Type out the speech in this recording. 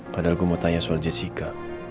padahal gue mau tanya soal jessica